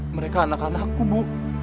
mereka anak anakku bu